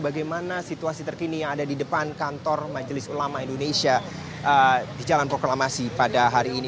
bagaimana situasi terkini yang ada di depan kantor majelis ulama indonesia di jalan proklamasi pada hari ini